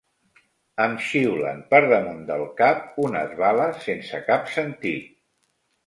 Em xiulen per damunt del cap unes bales sense cap sentit.